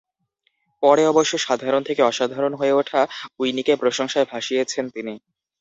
পরে অবশ্য সাধারণ থেকে অসাধারণ হয়ে ওঠা উইনিকে প্রশংসায় ভাসিয়েছেন তিনি।